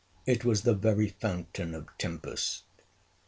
It was the very fountain of tempest.